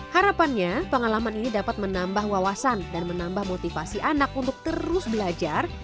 harapannya pengalaman ini dapat menambah wawasan dan menambah motivasi anak untuk terus belajar